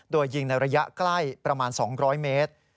โดยยิงในระยะใกล้ประมาณ๒๐๐เมตร